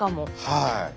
はい。